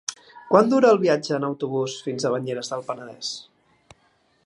Quant dura el viatge en autobús fins a Banyeres del Penedès?